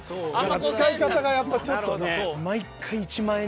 使い方がやっぱちょっとね。